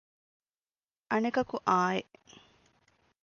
އަނެކަކު އާނއެއް